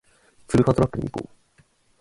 ツルハドラッグに行こう